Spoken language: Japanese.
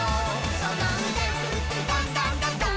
「そのうでふってドンドンドンドン」